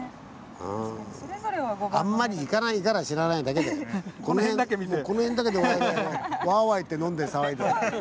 あんまり行かないから知らないだけでもうこの辺だけでワーワー言って飲んで騒いで。